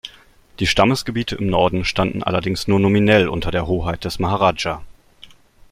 Die Stammesgebiete im Norden standen allerdings nur nominell unter der Hoheit des Maharaja.